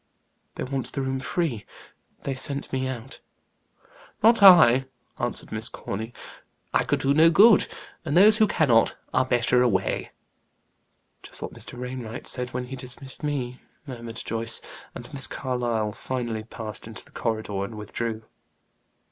"They want the room free; they sent me out." "Not I," answered Miss Corny. "I could do no good; and those who cannot, are better away." "Just what Mr. Wainwright said when he dismissed me," murmured Joyce. And Miss Carlyle finally passed into the corridor and withdrew.